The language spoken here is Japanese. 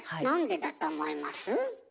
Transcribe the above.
なんでだと思います？